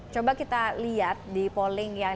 coba kita lihat di polling yang